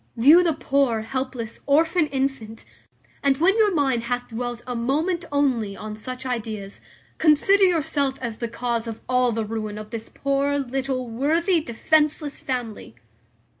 View the poor, helpless, orphan infant; and when your mind hath dwelt a moment only on such ideas, consider yourself as the cause of all the ruin of this poor, little, worthy, defenceless family.